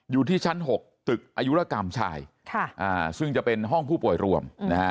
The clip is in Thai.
อยู่ที่ชั้น๖ตึกอายุรกรรมชายซึ่งจะเป็นห้องผู้ป่วยรวม